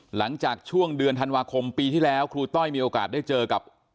หลังจากช่วงเดือนธันวาคมปีที่แล้วครูต้อยมีโอกาสได้เจอกับ